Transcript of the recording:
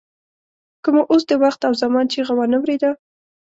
که مو اوس د وخت او زمان چیغه وانه ورېده.